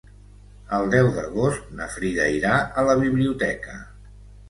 El deu d'agost na Frida irà a la biblioteca.